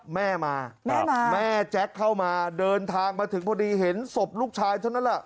แม่มาแม่มาแม่แจ็คเข้ามาเดินทางมาถึงพอดีเห็นศพลูกชายเท่านั้นแหละ